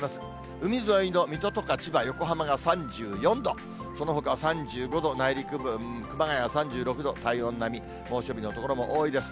海沿いの水戸とか千葉、横浜が３４度、そのほかは３５度、内陸部、熊谷３６度、体温並み、猛暑日の所も多いです。